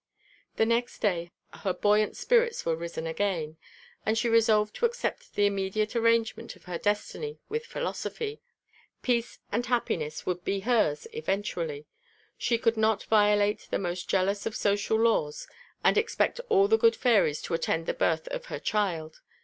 The next day her buoyant spirits were risen again, and she resolved to accept the immediate arrangement of her destiny with philosophy; peace and happiness would be hers eventually. She could not violate the most jealous of social laws and expect all the good fairies to attend the birth of her child.